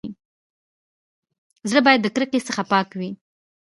زړه بايد د کرکي څخه پاک وي.